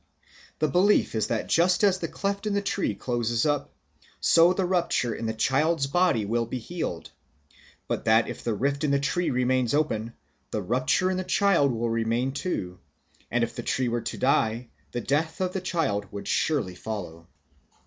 The belief is that just as the cleft in the tree closes up, so the rupture in the child's body will be healed; but that if the rift in the tree remains open, the rupture in the child will remain too, and if the tree were to die, the death of the child would surely follow.